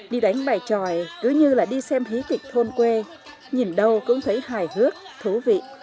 đi đánh bài tròi cứ như là đi xem hí kịch thôn quê nhìn đâu cũng thấy hài hước thú vị